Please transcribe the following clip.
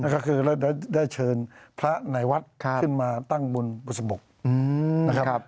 ก็คือเราได้เชิญพระในวัดขึ้นมาตั้งบุญบุษบกนะครับ